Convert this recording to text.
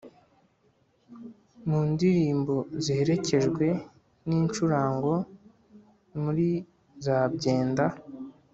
mu ndirimbo ziherekejwe n'i ncurango, mu ri za byenda